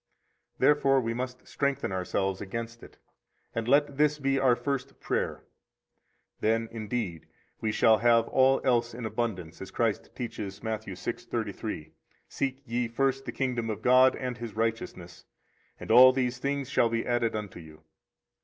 Therefore we must strengthen ourselves against it, and let this be our first prayer; then, indeed, we shall have all else in abundance, as Christ teaches [ Matt. 6:33 ]: Seek ye first the kingdom of God and His righteousness, and all these things shall be added unto you.